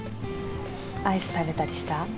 アイス食べたりした？